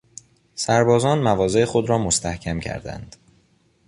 سربازان مواضع خود را مستحکم کردند.